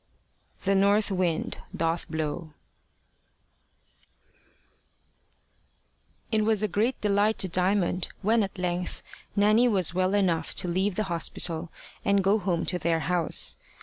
THE NORTH WIND DOTH BLOW IT WAS a great delight to Diamond when at length Nanny was well enough to leave the hospital and go home to their house.